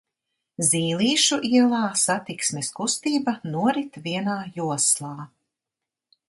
Zīlīšu ielā satiksmes kustība norit vienā joslā.